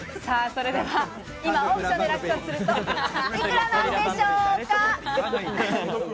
それでは、今、オークションで落札するといくらなんでしょうか？